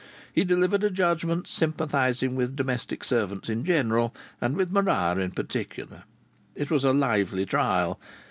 He delivered a judgment sympathizing with domestic servants in general, and with Maria in particular. It was a lively trial.